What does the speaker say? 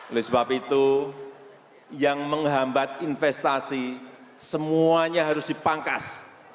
oleh sebab itu yang menghambat investasi semuanya harus dipangkas